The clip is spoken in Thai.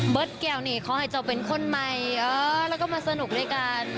เบิร์ดแก่วนี้ขอให้จะเป็นคนใหม่แล้วก็มาสนุกด้วยกัน